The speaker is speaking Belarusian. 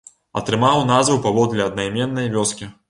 Атрымаў назву паводле аднайменнай вёскі.